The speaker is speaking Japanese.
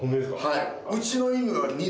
はい。